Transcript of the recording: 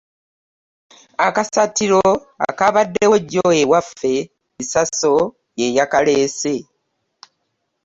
Akasattiro akaabaddewo jjo ewaffe Bisaso ye yakaleese.